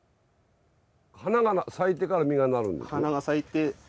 花が咲いてから実がなるんですね？